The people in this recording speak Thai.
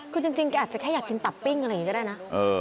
คือจริงแกอาจจะแค่อยากกินตับปิ้งอะไรอย่างนี้ก็ได้นะ